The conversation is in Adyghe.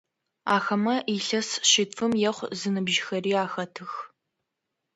Ахэмэ илъэс шъитфым ехъу зыныбжьыхэри ахэтых.